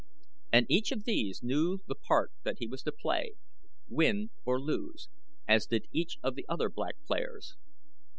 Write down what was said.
And each of these knew the part that he was to play, win or lose, as did each of the other Black players.